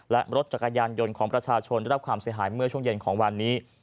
และรถจักรยานยนต์ของประชาชนได้รับความเสียหายเมื่อช่วงเย็นของวันนี้